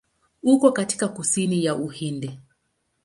Uko katika kusini ya Uhindi.